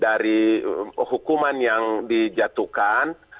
dari hukuman yang dijatuhkan